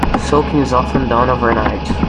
Soaking is often done overnight.